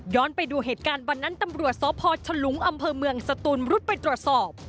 ไปดูเหตุการณ์วันนั้นตำรวจสพฉลุงอำเภอเมืองสตูนรุดไปตรวจสอบ